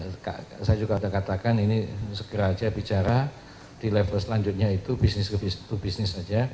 saya juga sudah katakan ini segera aja bicara di level selanjutnya itu bisnis to bisnis saja